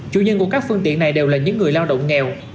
chủ nhân của các phương tiện này đều là những người lao động nghèo